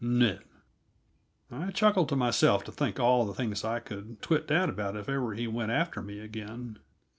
Nit!" I chuckled to myself to think of all the things I could twit dad about if ever he went after me again.